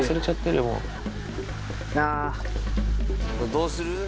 どうする？